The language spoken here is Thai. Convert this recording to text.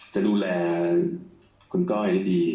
จะดูแลก็ว่าก่อนก้อยดี